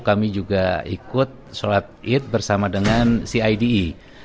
kami juga ikut sholat id bersama dengan cide